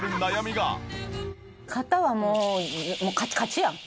肩はもうカチカチや。